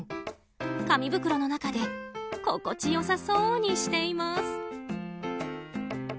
紙袋の中で心地よさそうにしています。